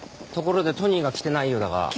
ところでトニーが来てないようだが。